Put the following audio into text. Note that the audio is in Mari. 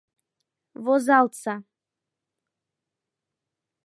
Возалтса!